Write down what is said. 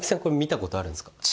これ見たことあるんですか？